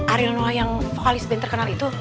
ariel noah yang vokalis benar benar terkenal itu